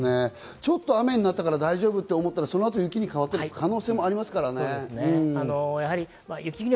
ちょっと雨になったから大丈夫と思ったら、そのあと雪になる可能性もありますからね。